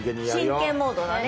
真剣モードだね。